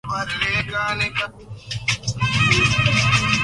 huku serikali zinazopingana zikiwania madaraka